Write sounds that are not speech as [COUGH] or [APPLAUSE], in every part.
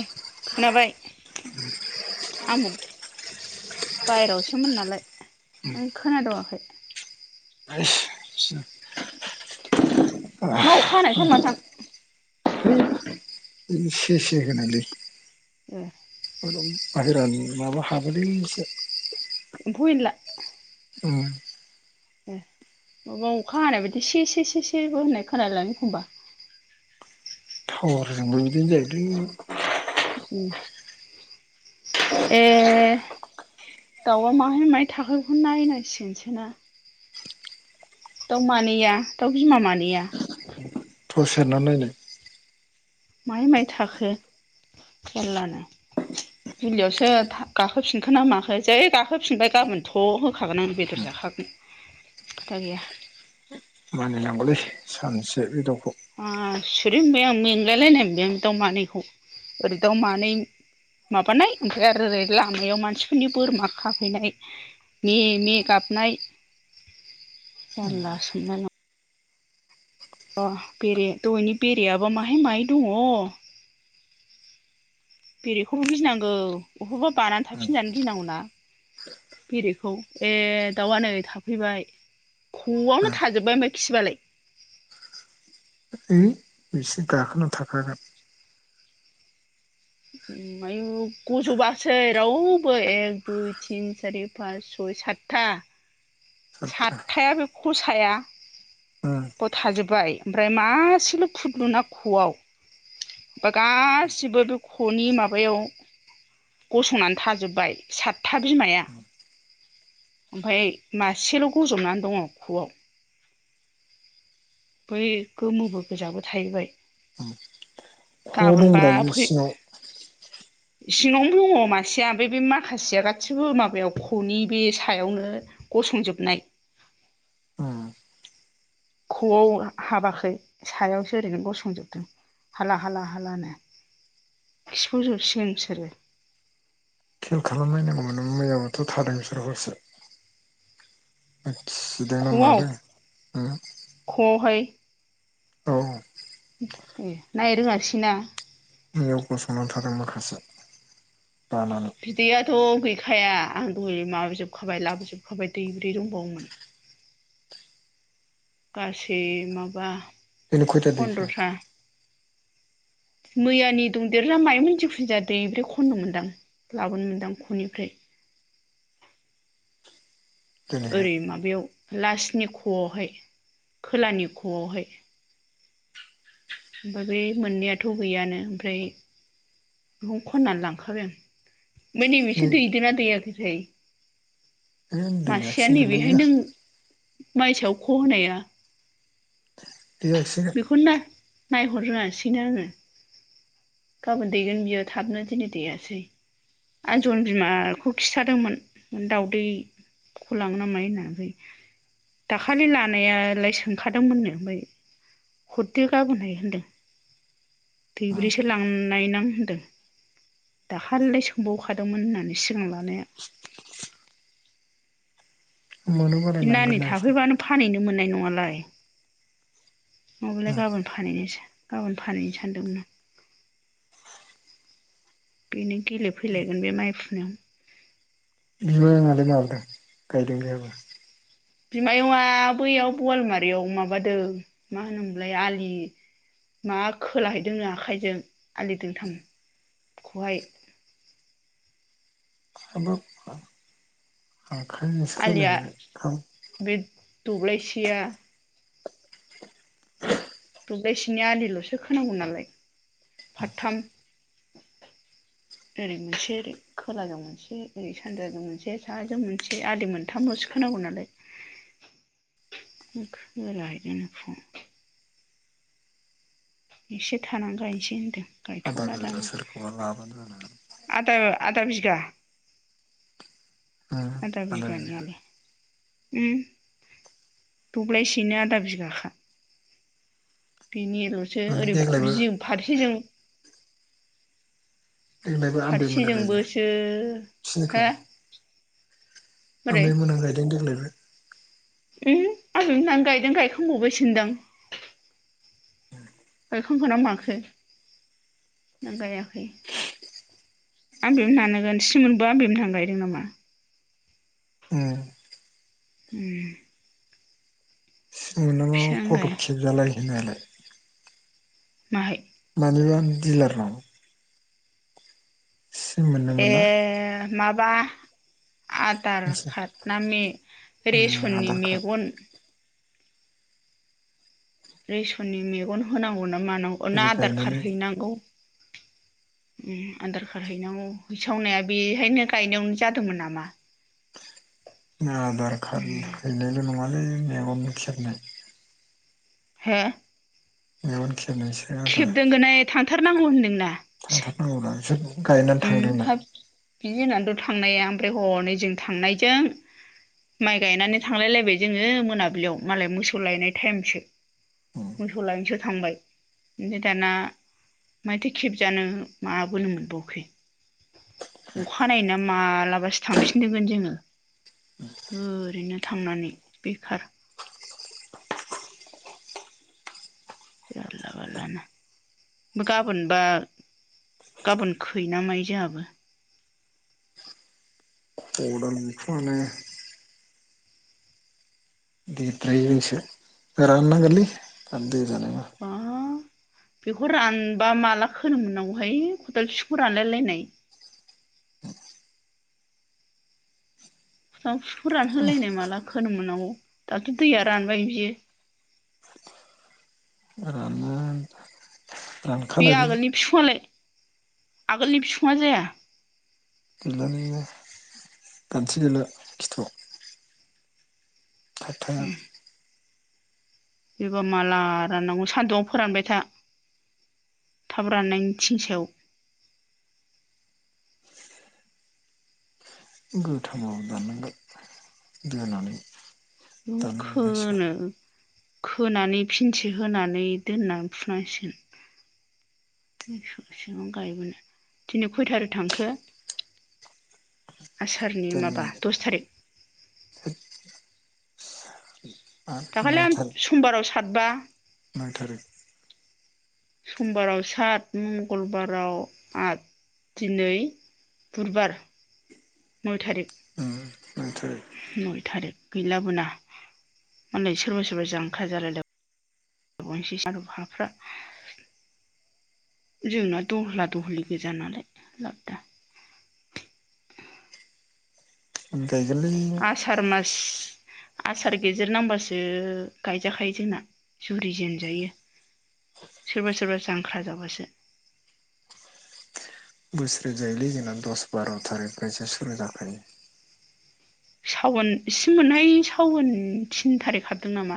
ए खोनाबाय आमुं बाहेरायावसोमोन नालाय नों खोनादावाखै? [INAUDIBLE] सेसे मा अखा हानाय थां माथां? इसे-इसे खोनालै। ए। बाहेरानि माबा हाबोलै इसे। एम्फौ-एनला? ओम। ए माबा अखा हानाय बायदि से-से-से-सेबो होननाय खोनालाय लाङो एखनबा। थावारजोंबो बिदिनो जायोलै। एह दाउआ माहाय माहाय थाहैखो नायनांसिगोनसोना। दाव मानैया दाव बिमा मानैया। थस सेरना नायनाय माइ माइ थाखो जाल्लानो डुलियावसो गाखोफिनखोन ना माखो जै गाखोफिनबाय गाबोनथ‌ होखागोन आं बेदर जाखागोन खोथा गैया। मानिनांगौलै सानसे बे दाव आस सोरै मोनबाय आं मेंलायलायनाय मोनबाय आं दाउ मानैखौ ओरै दाव मानै माबानाय ओमफ्राय आरो ओरै लामायाव मानसिफोरनि बोरमा खाफैनाय मे मे गाबनाय जारलासो सोंलायलांबाय। अ बेरे दहनि बेरेयाबा माहाय माहाय दङ। बेरेखौबो गिनांगौ अबावबा बानानै थाफिनजानो गिनांगौनाा बेरेखौ ए दाउआ नै थाफैबाय ख'आवनो थाजोबबाय ओमफ्राय खिबालाय। ओइ बिसोर गाखोना थाखागोन। आयु गजबासै रावबो एक दुइ तिन सारि पास सय साटथा सातथा सातथाया बे खसाया बाव थाजोबबाय ओमफ्राय मासेल फुदलुना ख'आव ओमफ्राय गासिबो बे खनि माबायाव गसंनानै थाजोब्बाय सातथा बिमाया ओमफाय मासेल गजबनानै दङ खुआव बै गोमोबो गोजाबो थाहैबाय। खवाव गाबोनबा दंब्रा बेसिङाव सिंङाव दङ मासेया बे बे माखासेया गासिबो माबायाव खनि बे सायावनो गसंजोबनाय। ख'आव हाबाखै सायावसो ओरैनो गसंजोबदों हाला हाला हाालानो खिफब जोबसिगोन बिसोरो बेयावनोथ' थादों बिसोर हरसे खिदोंना ख'आव मादों खवावहाय औ। ए नायनो रोङाखिसैना नियाव गसंना थादों माखासे बानानै बिदैआथ' गैखाया आं दहै माबाजोबखाबाय लाबोजोबखाबाय दैब्रै दंबावोमोन। गासै माबा बेलाय खयथा दैखो फन्द्रथा मैयानि दंदेरोना मायोमोन जिखुनुखजाया दैब्रै खननो मोनदां लाबोनो मोनदां ख'निफ्राय दिनैहाय ओरै माबायाव लासनि ख'हाय खोलानि ख'वावहाय ओमफाय बे मोननैआथ' गैयानो ओमफ्राय न' आव खन्नानै लांखाबाय आं। मैदो मोनसे दैदो ना दैयाखै? है नै मासेया दैयाखिसै गोलै नैबेहाय नों माइसायाव आव ख' होनाया दैगासिनो बेखौनो नायहर रोंआसैनो आङो। गाबोन दैगोन बियो थाबनो दिनै दैयासै आं जन बिमाखौ खिथादोंमोन दाउदैखौ लाङो ना मायो होननानै ओमफ्राय दाखालि लानायालाय सोंखादोंमोननो ओमफ्राय हरदो गाबोनहाय होनदों दैब्रै स स लांनायनां होनदों दाखालिलाय सोंबावखादोंमोन होननानै सिगां लानाया मोनो बे बारायलांगोन नानि बिसोर थाफैबानो फानैहैनो मोननाय नङालाय। नङाबालाय गाबोन फानहैनोसै। गाबोन फानहैनो सानदोंमोन आं। बेनो गेलेफैलायगोन बे माइ फुनायाव। [UNINTELLIGIBLE] गायदों बेहाबो? बिमायंआ बैयाव बवालमारियाव माबादों, मा होनोमोनलाय, आलि मा खोलाहैदों, आखाइजों आलि दोंथामखौहाय। हाबाब! आखाइजोंसो आलिया खोलाहैबाय बे [UNINTELLIGIBLE] दब्लायसेया [INAUDIBLE] दब्लायसेनि आलिल'सो खोनांगौ नालाय। फादथाम। ओरै मोनसे ओरै खोलाजों मोनसे ओरै सानजाजों मोनसे साहाजों मोनसे आलि मोनथामल'सो खोनांगौ नालाय खोला हैगोन बेखौ। एसे थानान गायनोसै होनदों। आदा गायथ'ला बेला दानो। सोरखौबा लाबानो जानानै आदो आदा बि [UNINTELLIGIBLE] उम आदा बिगा। उम दब्लायसेयैनो आदा बिगाखा। बिनिल'सो माने ओरै देग्लायबो जिं फारसेजों देग्लायबो आमबे मोना गायो फारसेजोंबोसो, हो? बोरै आमाइमोना गायदों देग्लायबो? उम आबै मोनानो गायदों गायखां बावबायसोनदां? गायखांखोना माखो, ना गायाखै? आमबेमोनानोगोन सिमोनबो आमबेमोनहानो गायदों नामा? उम। फिसा गाय फट'क खेबजालाय होनालाय। [INAUDIBLE] माहै? मानिबा दिलारनाव। सिम मोननो ए मोना मा बा। आधार मोनसे काड ना मे रेसननि आधार कार्ड मेगन। रेसननि मेगन होनांगौ ना मानां ना ओरै आधार कार गायनानै हैनांगौ। उम आधार खार हैनांगै हैसावनाया बेहायनो गायनायावनो जादोंमोन नामा? आधार काडनि उम हैनायल' नङा। बै मेगनबो खेबनाय। हे। मेगनखे दोननोसै आदा। थार नांगौ होनदोंना। थांथार नांगौ होना सोर गायनानै थांदों उम ना। हाब बिनि होननानैथ' थांनाया ओमफ्राय हनै जों थांनायजों माइ गायनानै थांलाय लायलाबाय जोङो मोनाबिलियाव मालाय मोसौ लायनाय टाइमसो मोसौ लायनोसो थांबाय ओमफ्राय दाना माथो खेब जानो माबोनो मोनबाव अखानायना मालाबासो थांफिनगोन जोङो ओरैनो थांनानै बेखार। जारला बारला नो गाबोनबा गाबोन खै न मायो जोंहाबो। बेखौ आंनो फोरान नांगोनलै दै बा बेखौ रानबा माला खोनोमोननांगौहाय खदाल बिफखौ रानलायलायनाय। बिफौखौ रानहोलायनाय माला खोनोम मोनांगौ दाथ' दैया रानबाय बियो रानना बे रानखानायलै आगोलनि फिफांलाय आगोलनि फिफाङा जाया। गैला नो दानस्रि गैला खिथुआव खाथाया बेबा माला राननांगौ सान्दुआव फोरानबाय था थाब राननायनि थिं सायाव। गो गोथाङाव दानांगोन। दोनालै। नोंखोनो खोनानै फिनसे होनानै दोननानै फुनांसिगोन सिगाव गायबोनो दिनै खैयथारि थांखो। आसारनि दिनै माबा दस थारिख। [UNINTELLIGIBLE] दाखालै आं समबारावसो। सातबा। मा थारिक। समबाराव सात मंगलबाराव आठ दिनै बुधबार नय थारिख। उम। नय थारिख नय थारिख। गैलाबोना मालाय सोरबा सोरबा जांख्रा जालायलायावनोसै आरो हाफ्रा जोंना दहला दहलि गोजा नालाय लाबदा। [INAUDIBLE] आसार मास। आसार गेजेर नांबासो गायजाखायो जोंना जुरि जेनजायो सोरबा सोरबा जांख्रा जाबासो। बोसोर जायोलै जोंना दस बार' थारिखफायसो सुरु जाखायो। सावोन इसे मोनहायो सावोन थिन थारिख हाबदों नामा।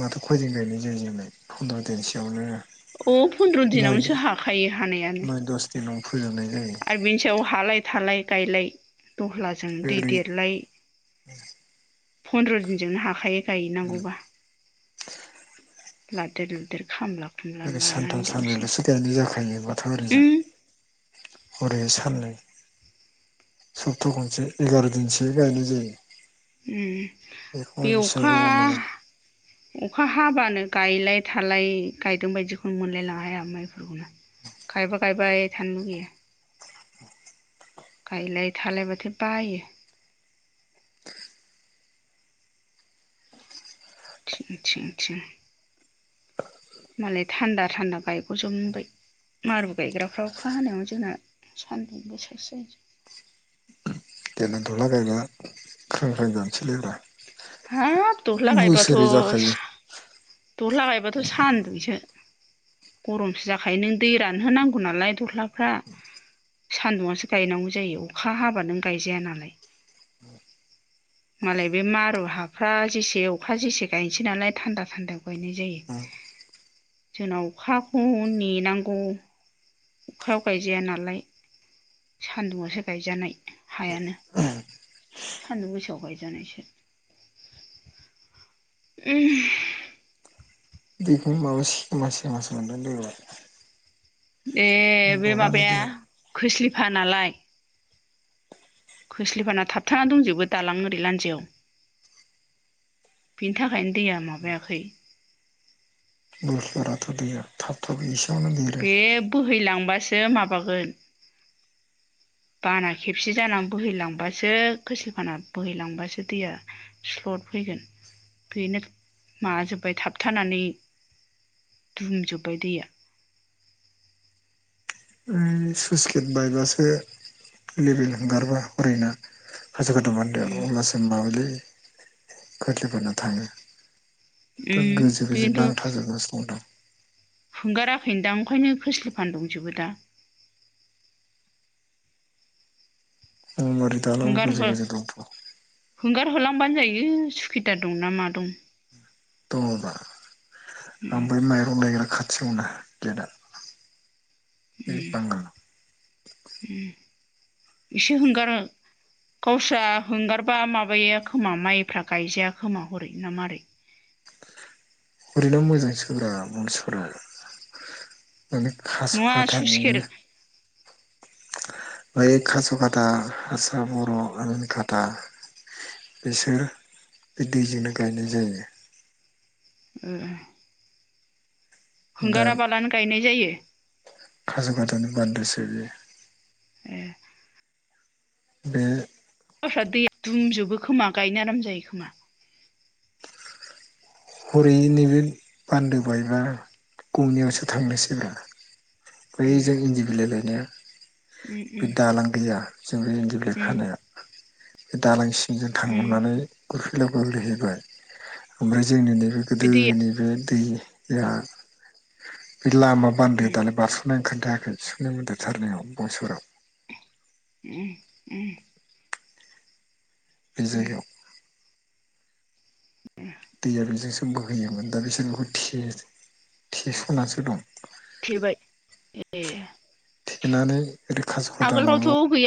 माथो खयदिन गायनाय जायो जोंलाय फन्द्र' दिनसोयावनो। अ फन्द्र नय दिनावनोसो हाखायो हानायानो नय दस दिनावनो फोजोबनाय जायो आरो बेनि सायाव हालाय थालाय। गायलाय। दहलाजों दै ओरै देरलाय। फन्द्र' दिनजोंनो हाखायो। गायनांगौबा। लादेर लुदेर खामला। खुमला ओरै सानथाम लानानै दसेनो सानब्रैल'सो गायनाय जाखायो बाथौ आरिजों उम हरै साननै। सप्ता खनसे एगार' दिनसो गायनाय जायो। उम बेखौहाय बे बेसेबां अखा गोबाव मोनो अखा हाबानो। गायलाय थालाय गायदों बायदिखौनो मोनलायलाङाहाय आंहा माइफोरखौनो गायबा गायबाय थानो लुुबैयो गायलाय थालायबाथाय बायो। थिं थिं थिं मालाय थान्दा थान्दा गायग'जोबबाय मारु गायग्राफ्राव अखा हानायाव जोंना सानदुंबासो जायो। दला गायग्रा। [UNINTELLIGIBLE] मोजानसैलै आरो [UNINTELLIGIBLE] हाब। दहला गायबाथ' बोसोरै जाखायो। दहला गायबाथ' सान्दुंसो गरमसो जाखायो नों दै रानहो नांगौ नालाय दहलाफ्रा सान्दुंआसो गायनांगौ जायो अखा हाबा नों गायजाया नालाय। मालाय बे मारु हाफ्रा जेसे अखा जेसे गायनोसै नालाय थान्दा थान्दायाव गायनाय जायो जोंनाव अखाखौ नेनांगौ अखायाव गायजाया नालाय सानदुंआवसो गायजानाय हायानो। सान्दुं गोसायाव गायजानायसो। [UNINTELLIGIBLE] बेखौ माबा सेमा सेमा सो मोनदों देग्लाय। ए बे दनानै माबाया दैया खोस्लि। फानालाय। खोस्लिफाना थाबथानानै दंजोबो दालां ओरै लान्जायाव बिनि थाखायनो दैया माबायाखै। नस्लराथ' दैया थाब थाब निस [UNINTELLIGIBLE] बे बोहैलांबासो। बेयो माबागोन बाना खेबसे जानानै बोहैलांबासो खोसिलि फाना बोहैलांबासो दैया स्लद फैगोन बेनो माबाजोब्बाय थाबथानानै दुमजोब्बाय दैया सुस गेट बायबासो लेबेल हंगारबा हरैना खासो खथ' मोनदों उम अब्लासिम मावै खथलिफोरनो थाङो उम गोजो गोजो नांथाजोबगासिनो दं हगाराखै दां ओंखायनो खोस्लि फान दंजोबो दा [UNINTELLIGIBLE] हरलांबानो जायो सुकिदार दं ना मा दं [UNINTELLIGIBLE] उम ओमफ्राय माइरं लायग्रा खाथियावना गेटआ बे उम बांगाल। इसे हंगारो गावस्रा हंगारबा माबायो खोमा माइफ्रा गायजाया खोमा हरै ना मारै। ओरैनो मोजां सोंब्रा मानसिफोरनाव। माने नङा स्लुइस खास'खाथानि। गेट बै कास' खाथा हारसा बर' रानि खाथा बिसोर बे दैजोंनो गायनाय जायो। ए। दा होंगारा बालानो गायनाय जायो। खास' खाथानि बान्दोसो बे। ए। बे। हाफ्रा दैया दुमजोबो खोमा गायनो आराम जायो खोमा। हरै नैबे बान्दो बायबा गंनियावसो थांनोसै। ए बै जों इन्दि बिलाइ लायनाया। उम बे उम दालां गैया जों बै इन्दि बिलाइ उम खानाया। बे दालांसिं। जों उम थांनानै। गोलैहैबाय ओमफ्राय। जोंनिनो। बे दैया गोदोनि बे दै। [UNINTELLIGIBLE] बे लामा बान्दो उम दालाय बारस'नाय ओंखारदों। थायाखै सुनाय म्देरथारनायाव बंसुराव। उम उम। बि उम जायगायाव। दैया बेजोंसो बोहोयोमोन दा बिसोर बेखौ थेसनानैसो दं। थेबाय ए। थेनानै औरै खासेवखाथा माबायाव आगोलफ्रावथ' गै